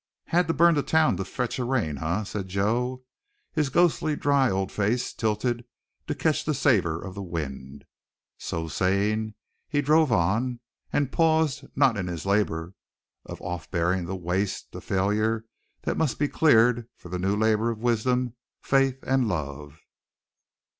"Had to burn the town to fetch a rain, huh?" said Joe, his ghostly dry old face tilted to catch the savor of the wind. So saying, he drove on, and paused not in his labor of off bearing the waste of failure that must be cleared for the new labor of wisdom, faith, and love.